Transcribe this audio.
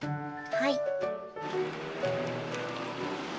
はい。